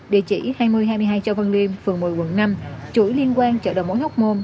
địa chỉ hai mươi hai mươi hai châu văn liêm phường một mươi quận năm chuỗi liên quan chợ đầu mối hóc môn